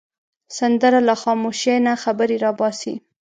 سندره له خاموشۍ نه خبرې را باسي